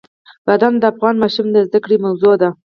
بادام د افغان ماشومانو د زده کړې موضوع ده.